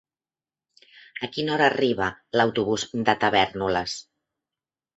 A quina hora arriba l'autobús de Tavèrnoles?